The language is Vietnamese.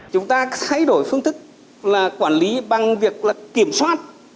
chúng ta thay đổi phương thức là quản lý bằng việc là kiểm soát